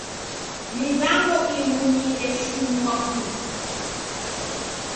Mizango imu ni eshinua putu.